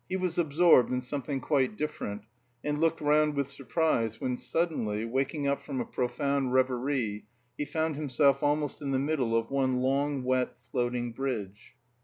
He was absorbed in something quite different, and looked round with surprise when suddenly, waking up from a profound reverie, he found himself almost in the middle of one long, wet, floating bridge.